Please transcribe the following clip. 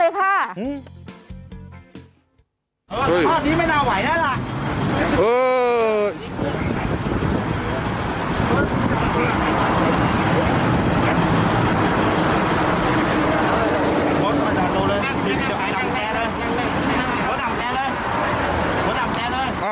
เออสถานีไม่น่าไหวน่ะล่ะเออ